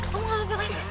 kamu tidak apa apa kan